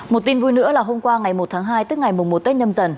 một tin vui nữa là hôm qua ngày một tháng hai tức ngày mùng một tết nhâm dần